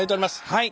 はい。